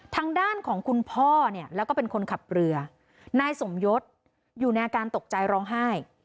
ทางด้านของคุณพ่อเนี่ยแล้วก็เป็นคนขับเรือนายสมยศอยู่ในอาการตกใจร้องไห้